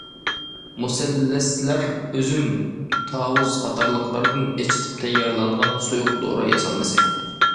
مۇسەللەسلەر: ئۈزۈم، تاۋۇز قاتارلىقلاردىن ئېچىتىپ تەييارلانغان سۇيۇق دورا ياسالمىسى.